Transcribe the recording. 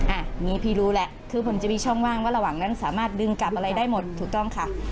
อันนี้พี่รู้แหละคือผมจะมีช่องว่างว่าระหว่างนั้นสามารถดึงกลับอะไรได้หมดถูกต้องค่ะ